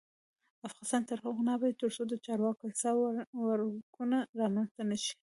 افغانستان تر هغو نه ابادیږي، ترڅو د چارواکو حساب ورکونه رامنځته نشي.